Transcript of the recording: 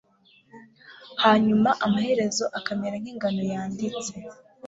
hanyuma amaherezo akamera nk'ingano yanditse